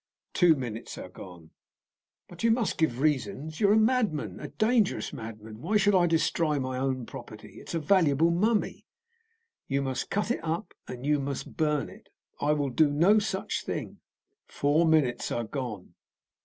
"Two minutes are gone." "But you must give reasons. You are a madman a dangerous madman. Why should I destroy my own property? It is a valuable mummy." "You must cut it up, and you must burn it." "I will do no such thing." "Four minutes are gone."